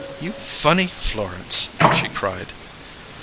"You funny Florence!" she cried.